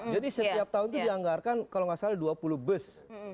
jadi setiap tahun itu dianggarkan kalau gak salah dua puluh bus